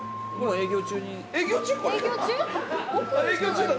営業中だ。